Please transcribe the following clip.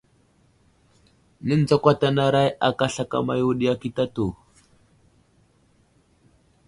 Nənzakwatanaray aka slakama yo ɗi akitatu.